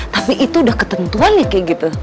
tapi itu udah ketentuan ya kayak gitu